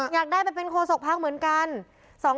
อยากได้เป็นโฆษกพรรคเหมือนกัน